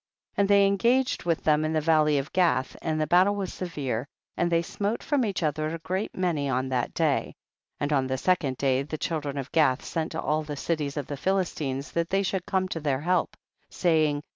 1 1 . And they engaged with them in the valley of Gath, and the battle was severe, and they smote from each other a great many on that day. 12. And on the second day the children of Gath sent to all the cities of the Philistines that they should come to their help, saying, 13.